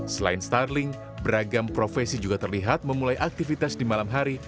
selain starling beragam profesi juga terlihat memulai aktivitas di malam hari